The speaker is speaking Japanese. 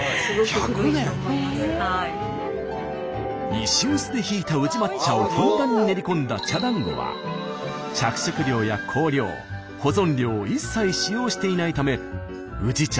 石臼でひいた宇治抹茶をふんだんに練り込んだ茶だんごは着色料や香料保存料を一切使用していないため宇治茶